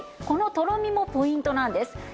このとろみもポイントなんです。